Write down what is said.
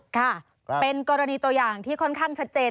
ค่ะเป็นกรณีตัวอย่างที่ค่อนข้างชัดเจน